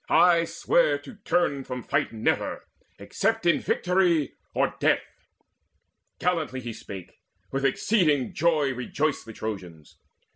I swear to turn from fight Never, except in victory or death." Gallantly spake he: with exceeding joy Rejoiced the Trojans.